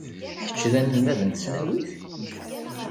Kečč d anelmad n tesnawit?